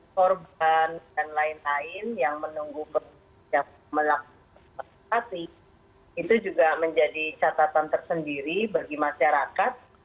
korban dan lain lain yang menunggu melakukan vaksinasi itu juga menjadi catatan tersendiri bagi masyarakat